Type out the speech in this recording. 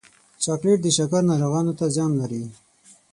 چاکلېټ د شکر ناروغانو ته زیان لري.